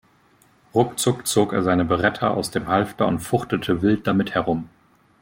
Ruckzuck zog er seine Beretta aus dem Halfter und fuchtelte wild damit herum.